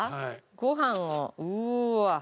ご飯をうわ！